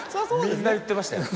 みんな言ってましたよ。